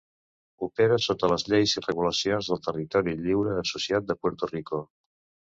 Opera sota les lleis i regulacions del Territori lliure associat de Puerto Rico.